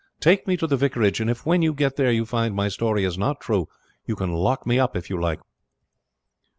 Take me to the vicarage, and if when you get there you find my story is not true you can lock me up if you like."